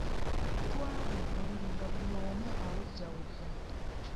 Twagwa ku buliri nga buli omu awejjawejja.